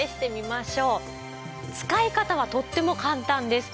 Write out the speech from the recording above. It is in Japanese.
使い方はとっても簡単です。